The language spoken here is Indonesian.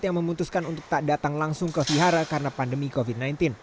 yang memutuskan untuk tak datang langsung ke vihara karena pandemi covid sembilan belas